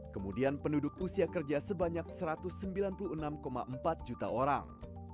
kemudian penduduk usia kerja sebanyak satu ratus sembilan puluh enam empat juta orang